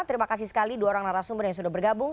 terima kasih sekali dua orang narasumber yang sudah bergabung